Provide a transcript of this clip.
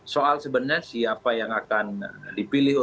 soal sebenarnya siapa yang akan dipilih